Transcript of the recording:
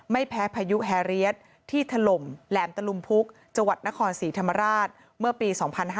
ไม่แพ้พายุแฮเรียสที่ถล่มแหลมตะลุมพุกจังหวัดนครศรีธรรมราชเมื่อปี๒๕๕๙